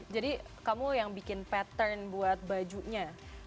jadi kamu yang bikin pattern buat bajunya